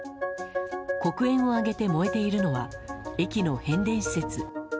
黒煙を上げて燃えているのは駅の変電施設。